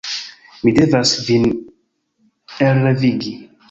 Mi devas vin elrevigi.